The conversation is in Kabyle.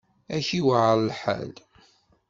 Ad k-yuεer lḥal.